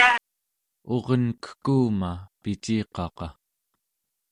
urenkekuma piciqaqa